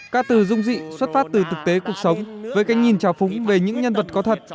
ca từ dung dị xuất phát từ thực tế cuộc sống với cái nhìn trào phúng về những nhân vật có thật